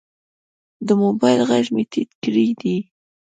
د موبایل غږ مې ټیټ کړی دی.